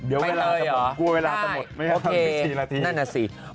เดี๋ยวเวลาจะหมด